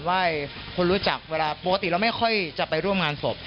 ไหว้คนรู้จักเวลาปกติเราไม่ค่อยจะไปร่วมงานศพ